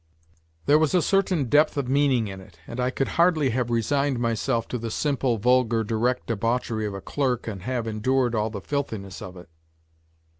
There was a certain depth of meaning in it. And I could hardly have resigned myself to the simple, vulgar, direct debauchery of a clerk and have endured all the filthiness of it.